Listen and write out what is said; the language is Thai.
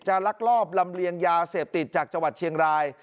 ลักลอบลำเลียงยาเสพติดจากจังหวัดเชียงราย